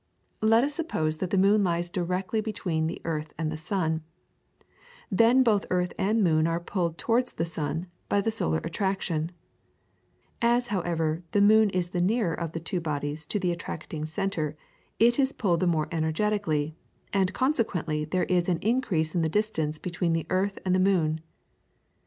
Let us suppose that the moon lies directly between the earth and the sun, then both earth and moon are pulled towards the sun by the solar attraction; as, however, the moon is the nearer of the two bodies to the attracting centre it is pulled the more energetically, and consequently there is an increase in the distance between the earth and the moon.